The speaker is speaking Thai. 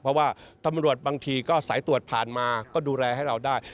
เพราะว่าตำรวจบางทีก็สายตรวจผ่านมาก็ดูแลให้เราได้